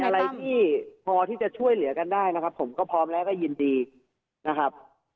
อะไรที่พอที่จะช่วยเหลือกันได้นะครับผมก็พร้อมแล้วก็ยินดีนะครับ